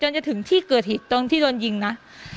จนจะถึงที่เกิดฮิตตรงที่โดนยิงนะ